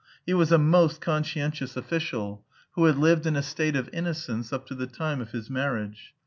He was a most conscientious official, who had lived in a state of innocence up to the time of his marriage.